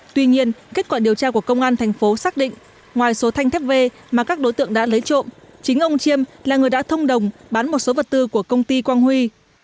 tuy nhiên kết quả điều tra của công an thành phố xác định ngoài số thanh thép v mà các đối tượng đã lấy trộm chính ông chiêm là người đã thông đồng bán một số vật tư của công ty quang huy